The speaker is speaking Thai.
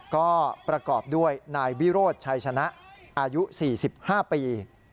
ก็ประกอบด้วยนายวิโรธชัยชนะอายุ๔๕ปี